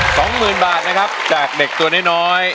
สองหมื่นบาทนะครับจากเด็กตัวน้อยน้อย